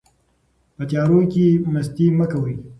په تیارو کې مستي مه کوئ.